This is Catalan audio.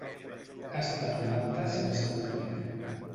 Ha estat un acte sense públic.